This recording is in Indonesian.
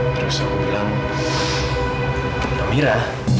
terus aku bilang amira